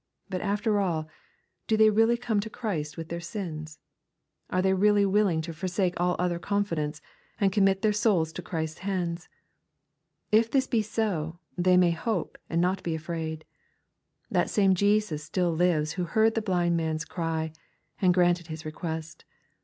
But after all, do they really come to Christ with their sins ? Are they really willing tofoisake all other confidence, and commit their souls to Christ's hands ? If this be so, tbey may hope and not be afraid. That same Jesus still lives who heard the blind man's cry. and granted his request.